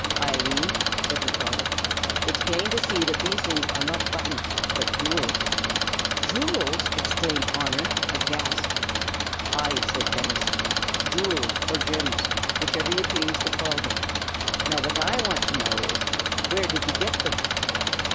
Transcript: "Eileen," said her father, "'tis plain to be seen that these things are not buttons, but jew'ls." "Jew'ls!" exclaimed Honor, aghast. "Ay!" said Dennis; "jew'ls, or gims, whichiver ye plaze to call thim. Now, phwhat I want to know is, where did ye get thim?"